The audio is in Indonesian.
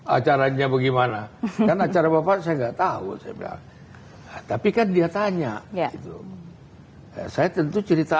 acaranya bagaimana karena cara bapak saya gak tahu sedang tapi kan dia tanya ya saya tentu cerita